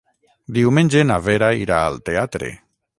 Diumenge na Vera irà al teatre.